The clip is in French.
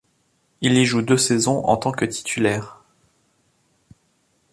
Il y joue deux saisons en tant que titulaire.